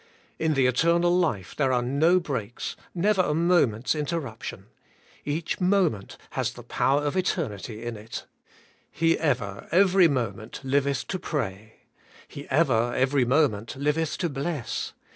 In the eternal life there are no breaks, never a moment's interruption; each moment has the power of eternity in it. He ever, every moment, liveth to pray. He ever, every moment, liveth to bless.